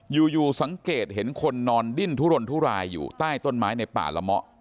อยู่สังเกตเห็นคนนอนดิ้นทุรนทุรายอยู่ใต้ต้นไม้ในป่าละเมาะ